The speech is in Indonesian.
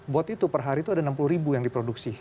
bot itu per hari itu ada enam puluh ribu yang diproduksi